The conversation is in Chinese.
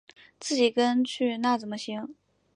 自己跟去那怎么行